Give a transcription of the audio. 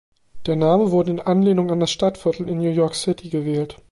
Der Name wurde in Anlehnung an das Stadtviertel in New York City gewählt.